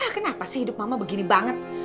kenapa sih hidup mama begini banget